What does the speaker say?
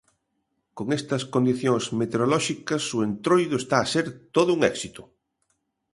Con estas condicións meteorolóxicas o Entroido está a ser todo un éxito.